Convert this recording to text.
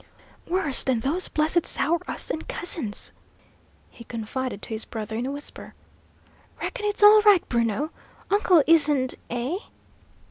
"Worse than those blessed 'sour us' and cousins," he confided to his brother, in a whisper. "Reckon it's all right, Bruno? Uncle isn't eh?"